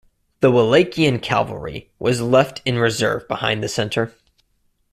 The Wallachian cavalry was left in reserve behind the center.